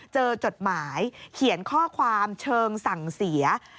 จดหมายเขียนข้อความเชิงสั่งเสีย